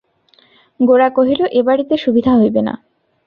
গোরা কহিল, এ বাড়িতে সুবিধা হইবে না।